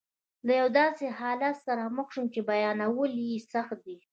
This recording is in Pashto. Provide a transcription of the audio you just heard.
له یو داسې حالت سره مخ شوم چې بیانول یې سخت دي.